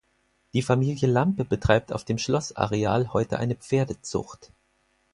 Die Familie Lampe betreibt auf dem Schlossareal heute eine Pferdezucht.